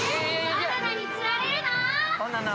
バナナに釣られバナナ？